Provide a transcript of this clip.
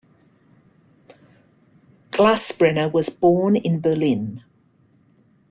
Glassbrenner was born in Berlin.